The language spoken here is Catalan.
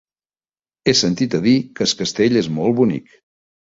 He sentit a dir que Es Castell és molt bonic.